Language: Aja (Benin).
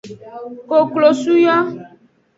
Koklosu yo.